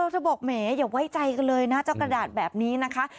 เธอบอกแหมอย่าไว้ใจกันเลยนะเจ้ากระดาษแบบนี้นะคะ